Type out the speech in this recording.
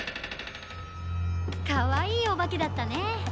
かわいいおばけだったね。